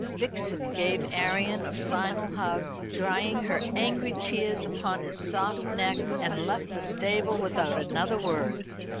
Vixen gave Arion a final hug, drying her angry tears upon his soft neck, and left the stable without another word.